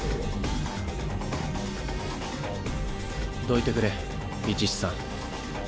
どいてくれ伊地知さん